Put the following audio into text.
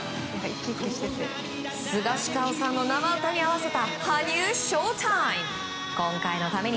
スガシカオさんの生歌に合わせた羽生ショータイム。